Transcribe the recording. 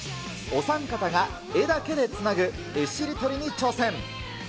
お三方が絵だけでつなぐ、絵しりとりに挑戦。